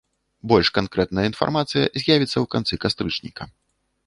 Больш канкрэтная інфармацыя з'явіцца ў канцы кастрычніка.